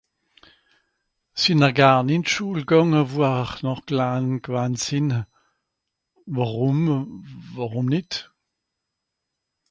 Sìnn'r garn ìn d'Schùl gànge, wo Ìhr noch klein gwann sìnn ? Worùm ? Worùm nìt ?